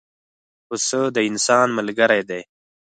پسه د انسان ملګری دی.